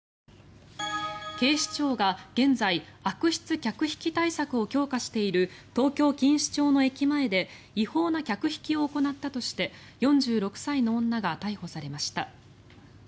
警視庁が現在悪質客引き対策を強化している東京・錦糸町の駅前で違法な客引きを行ったとして４６歳の女が逮捕されました。